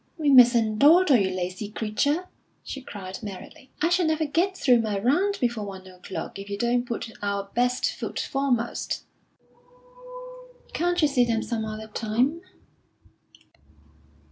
"We mustn't dawdle, you lazy creature!" she cried merrily. "I shall never get through my round before one o'clock if we don't put our best foot foremost." "Can't you see them some other time?"